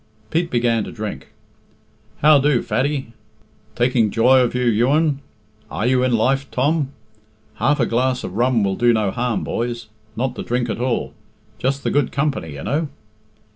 Pete began to drink. "How do, Faddy? Taking joy of you, Juan. Are you in life, Thom! Half a glass of rum will do no harm, boys. Not the drink at all just the good company, you know."